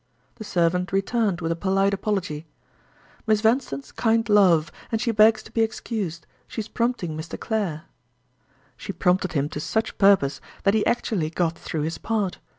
The servant returned with a polite apology: "Miss Vanstone's kind love, and she begs to be excused—she's prompting Mr. Clare." She prompted him to such purpose that he actually got through his part.